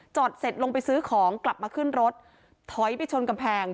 เสร็จลงไปซื้อของกลับมาขึ้นรถถอยไปชนกำแพง